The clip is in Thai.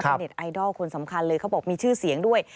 เน็ตไอดอลคนสำคัญเลยเขาบอกมีชื่อเสียงด้วย